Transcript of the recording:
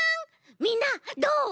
みんなどう？